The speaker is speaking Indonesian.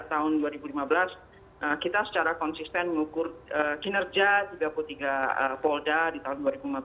tahun dua ribu lima belas kita secara konsisten mengukur kinerja tiga puluh tiga polda di tahun dua ribu lima belas